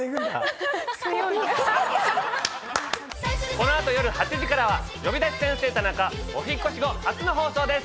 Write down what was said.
この後夜８時からは『呼び出し先生タナカ』お引っ越し後初の放送です。